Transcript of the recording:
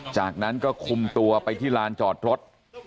จากนั้นก็คุมตัวไปที่ลานจอดรถ